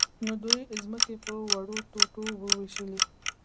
نو دوی ځمکې په وړو ټوټو وویشلې.